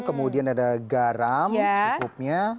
kemudian ada garam cukupnya